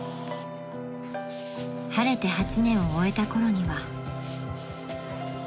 ［晴れて８年を終えたころには］